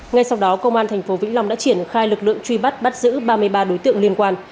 ngay sau đó công an tp vĩnh long đã triển khai lực lượng truy bắt bắt giữ ba mươi ba đối tượng liên quan